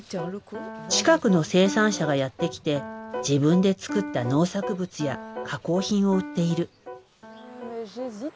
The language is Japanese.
近くの生産者がやって来て自分で作った農作物や加工品を売っている。